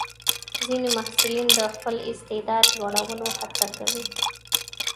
ځینې محصلین د خپل استعداد لوړولو هڅه کوي.